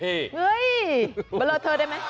เฮ้ยเบลอเธอได้ไหม